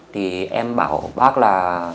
thì em bảo bác là